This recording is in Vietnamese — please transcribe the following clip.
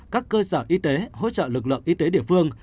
các cơ sở y tế hỗ trợ lực lượng y tế địa phương